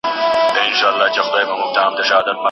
امانت باید وساتل شي.